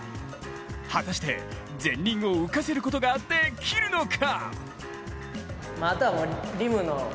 果たして、前輪を浮かせることができるのか。